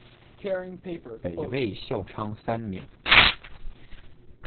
北魏孝昌三年。